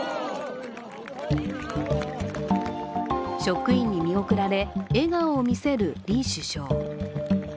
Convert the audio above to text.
職員に見送られ、笑顔を見せる李首相。